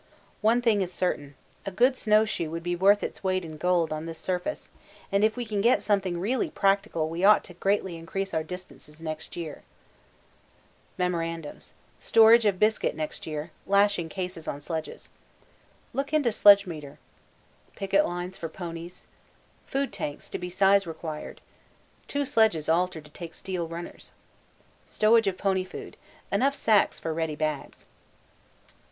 One thing is certain. A good snow shoe would be worth its weight in gold on this surface, and if we can get something really practical we ought to greatly increase our distances next year. Mems. Storage of biscuit next year, lashing cases on sledges. Look into sledgemeter. Picket lines for ponies. Food tanks to be size required. Two sledges altered to take steel runners. Stowage of pony food. Enough sacks for ready bags.